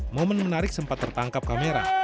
momen menarik sempat tertangkap kamera